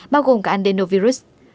bao gồm cả adenovirus